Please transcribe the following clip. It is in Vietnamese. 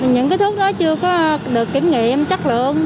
những cái thuốc đó chưa có được kiểm nghiệm chất lượng